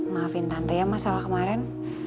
maafin tante ya masalah kemarin